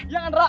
ya kan ra